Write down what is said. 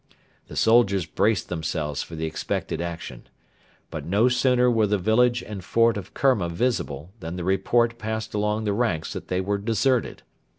The soldiers braced themselves for the expected action. But no sooner were the village and fort of Kerma visible than the report passed along the ranks that they were deserted.